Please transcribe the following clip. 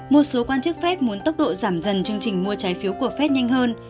một số quan chức fed muốn tốc độ giảm dần chương trình mua trái phiếu của fed nhanh hơn